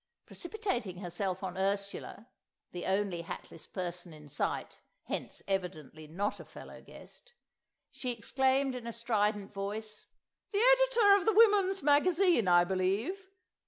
Precipitating herself on Ursula—the only hatless person in sight, hence evidently not a fellow guest—she exclaimed in a strident voice, "The Editor of The Woman's Magazine, I believe?